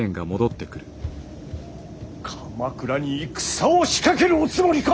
鎌倉に戦を仕掛けるおつもりか！